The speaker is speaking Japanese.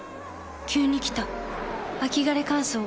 急に来た秋枯れ乾燥。